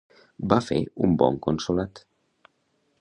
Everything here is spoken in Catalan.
Va fer un bon consolat.